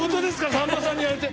さんまさんに言われて。